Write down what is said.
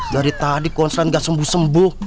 dari tadi konsen gak sembuh sembuh